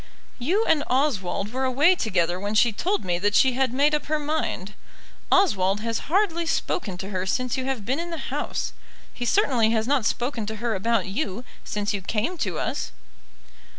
"You and Oswald were away together when she told me that she had made up her mind. Oswald has hardly spoken to her since you have been in the house. He certainly has not spoken to her about you since you came to us."